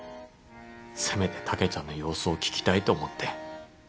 せめて竹ちゃんの様子を聞きたいと思って。